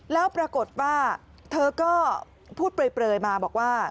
แล้วปรากฏว่าเธอก็พูดเปลยมาบอกว่า